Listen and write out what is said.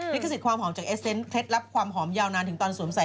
ลิขสิทธิความหอมจากเอสเซนต์เคล็ดลับความหอมยาวนานถึงตอนสวมใส่